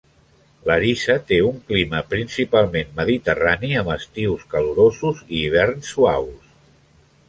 Larissa té un clima principalment mediterrani amb estius calorosos i hiverns suaus.